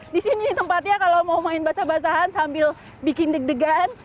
di sini tempatnya kalau mau main basah basahan sambil bikin deg degan